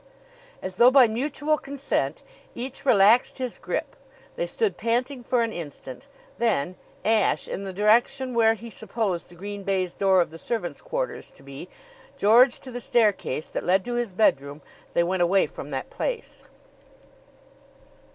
As though by mutual consent each relaxed his grip. They stood panting for an instant; then, Ashe in the direction where he supposed the green baize door of the servants' quarters to be, George to the staircase that led to his bedroom, they went away from that place.